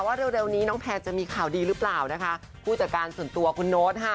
ว่าเร็วเร็วนี้น้องแพนจะมีข่าวดีหรือเปล่านะคะผู้จัดการส่วนตัวคุณโน๊ตค่ะ